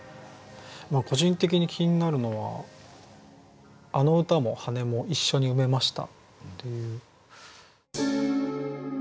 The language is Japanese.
個人的に気になるのは「あの歌も羽根も一緒に埋めました」という。